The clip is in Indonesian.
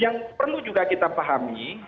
yang perlu juga kita pahami